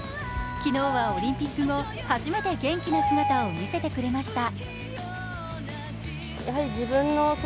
昨日はオリンピック後、初めて元気な姿を見せてくれました。